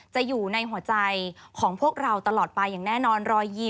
จะอยู่ในหัวใจของพวกเราตลอดไปอย่างเน่นอน